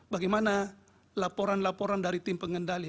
bagaimana laporan laporan dari tim pengendali